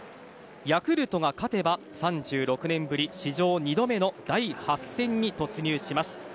ヤクルトが勝てば３６年ぶり、史上２度目の第８戦に突入します。